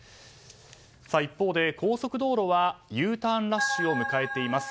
一方で高速道路はＵターンラッシュを迎えています。